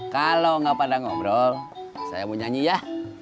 kalo gak pada ngobrol saya mau nyanyi ya